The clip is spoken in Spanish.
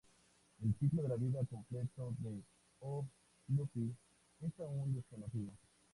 El ciclo de vida completo de "O. lupi" es aún desconocido.